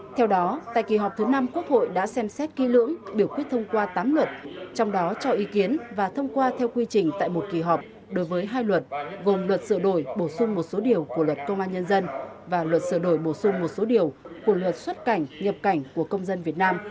theo đó tại kỳ họp thứ năm quốc hội đã xem xét ký lưỡng biểu quyết thông qua tám luật trong đó cho ý kiến và thông qua theo quy trình tại một kỳ họp đối với hai luật gồm luật sửa đổi bổ sung một số điều của luật công an nhân dân và luật sửa đổi bổ sung một số điều của luật xuất cảnh nhập cảnh của công dân việt nam